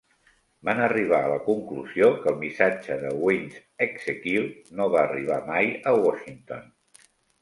Van arribar a la conclusió que el missatge de "winds execute" no va arribar mai a Washington.